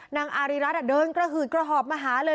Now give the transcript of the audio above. นางอารีรัฐเดินกระหืดกระหอบมาหาเลย